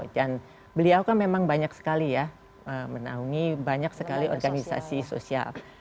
dan beliau kan memang banyak sekali ya menaungi banyak sekali organisasi sosial